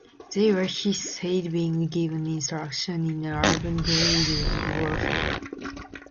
They were, he said, being given instruction in urban guerrilla warfare.